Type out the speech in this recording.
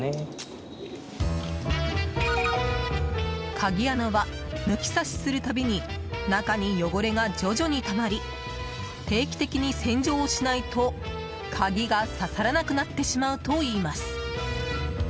鍵穴は、抜きさしするたびに中に汚れが徐々にたまり定期的に洗浄をしないと鍵がささらなくなってしまうといいます。